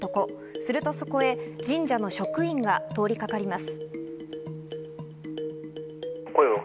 すると、そこへ神社の職員が通りがかります。